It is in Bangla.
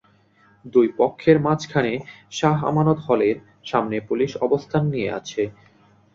দুই পক্ষের মাঝখানে শাহ আমানত হলের সামনে পুলিশ অবস্থান নিয়ে আছে।